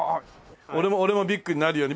俺もビッグになるように。